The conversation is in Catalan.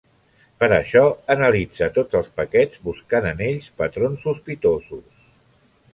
Per a això, analitza tots els paquets, buscant en ells patrons sospitosos.